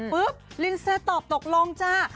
ปุ๊บลินเซตอบตกลงจ้ะ